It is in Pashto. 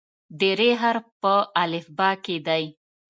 د "ر" حرف په الفبا کې دی.